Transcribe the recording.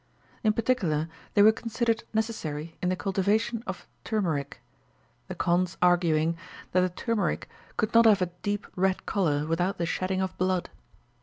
In particular, they were considered necessary in the cultivation of turmeric, the Khonds arguing that the turmeric could not have a deep red colour without the shedding of blood.